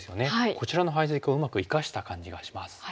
こちらの配石をうまく生かした感じがします。